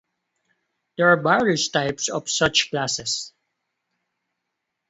There are various types of such classes.